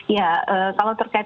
ya kalau terkait